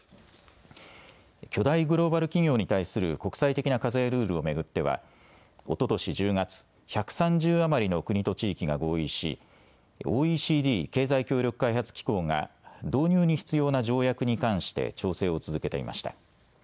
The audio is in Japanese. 巨大グローバル企業に対する国際的な課税ルールを巡ってはおととし１０月、１３０余りの国と地域が合意しＯＥＣＤ・経済協力開発機構が導入に必要な条約に関して調整を続けていました。